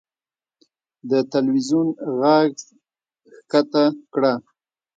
د تلوېزون ږغ کښته کړه .